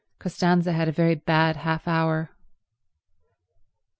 Costanza had a very bad half hour.